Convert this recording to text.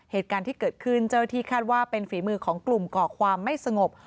เหตุการณ์ที่เกิดขึ้นเจ้าหน้าที่คาดว่าเป็นฝีมือของกลุ่มก่อความไม่สงบ